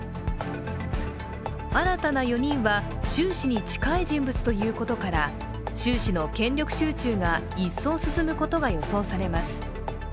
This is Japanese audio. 新たな４人は習氏に近い人物ということから習氏の権力集中が一層進むことが予想されます。